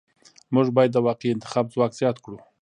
موږ باید د واقعي انتخاب ځواک زیات کړو.